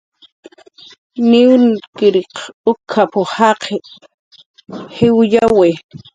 "Niwniriq uk""ap"" jaq jiwyawi "